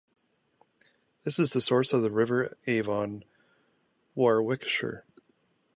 This is the source of the River Avon, Warwickshire.